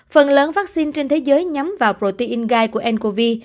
phần lớn vaccine trên thế giới nhắm vào protein gai của ncov